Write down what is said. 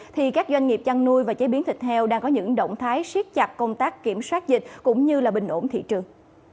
thì các doanh nghiệp chăn nuôi và chế biến thịt heo đang có những động thái siết chặt công tác kiểm soát dịch cũng như là bình ổn thị trường